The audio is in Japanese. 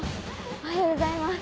おはようございます。